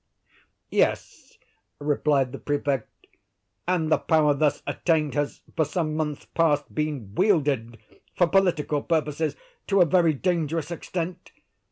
"Yes," replied the Prefect; "and the power thus attained has, for some months past, been wielded, for political purposes, to a very dangerous extent.